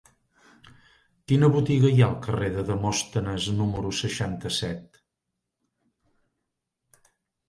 Quina botiga hi ha al carrer de Demòstenes número seixanta-set?